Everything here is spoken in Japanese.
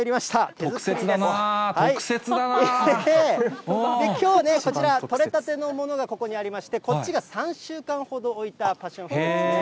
特設だな、きょう、こちら、取れたてのものがここにありまして、こっちが３週間ほど置いたパッションフルーツです。